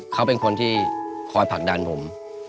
เขาเป็นคนที่คอยผลักดันผม